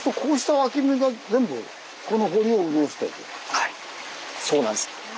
はいそうなんです。